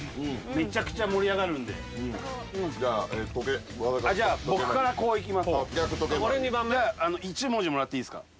めちゃくちゃ盛り上がるんでじゃあ時計和田からじゃあ僕からこういきます逆時計回りじゃあ１文字もらっていいですか？